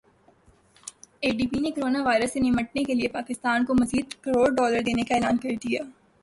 اے D B نے corona virus سے نمٹنے کیلئے پاکستان کو مزید کروڑ ڈالر دینے کا اعلان کردیا